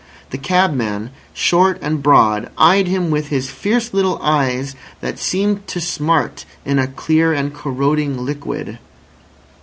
The cabman, short and broad, eyed him with his fierce little eyes that seemed to smart in a clear and corroding liquid.